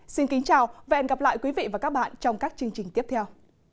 xin kính chào và hẹn gặp lại quý vị và các bạn trong các chương trình tiếp theo